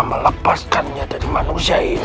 melepaskannya dari manusia ini